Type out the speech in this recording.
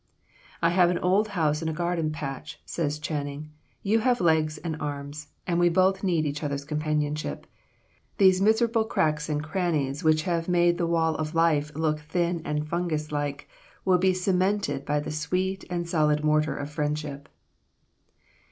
"I have an old house and a garden patch," said Channing, "you have legs and arms, and we both need each other's companionship. These miserable cracks and crannies which have made the wall of life look thin and fungus like, will be cemented by the sweet and solid mortar of friendship."